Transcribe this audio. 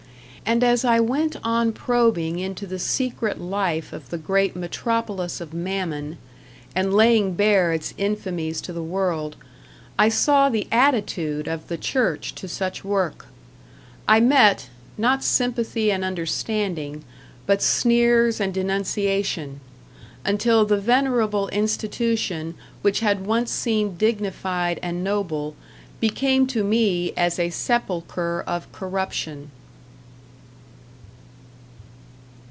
And as I went on probing into the secret life of the great Metropolis of Mammon, and laying bare its infamies to the world, I saw the attitude of the church to such work; I met, not sympathy and understanding, but sneers and denunciation until the venerable institution which had once seemed dignified and noble became to me as a sepulchre of corruption.